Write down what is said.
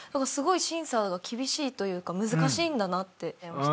すごい審査が厳しいというか難しいんだなって。